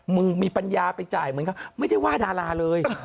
มึงมีปัญญาไปจ่ายเหมือนเขาไม่ได้ว่าดาราเลย